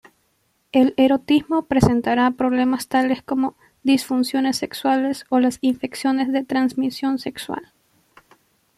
El erotismo presentará problemas tales como disfunciones sexuales o las infecciones de transmisión sexual.